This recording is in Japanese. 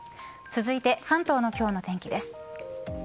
続いて、関東の今日の天気です。